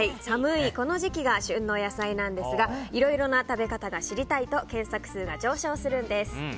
寒いこの時期が旬の野菜なんですがいろいろな食べ方が知りたいと検索数が上昇するんです。